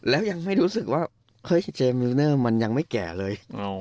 แล้วยังไม่รู้สึกว่าเฮ้ยเจมิวเนอร์มันยังไม่แก่เลย